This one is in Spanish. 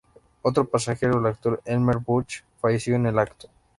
Otro pasajero, el actor Elmer Booth, falleció en el acto.